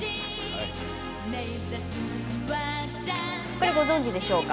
これ、ご存じでしょうか？